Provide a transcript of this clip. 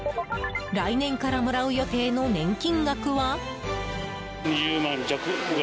来年からもらう予定の年金額は？